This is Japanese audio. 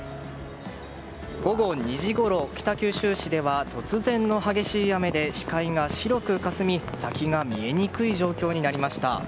午後２時ごろ、北九州市では突然の激しい雨で視界が白くかすみ先が見えにくい状況になりました。